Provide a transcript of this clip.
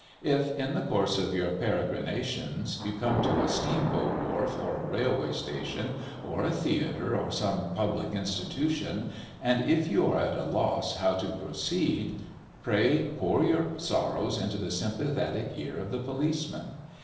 If, in the course of your peregrinations, you come to a steam boat wharf or a railway station, or a theatre or some other public institution, and if you are at a loss how to proceed, pray pour your sorrows into the sympathetic ear of the policeman.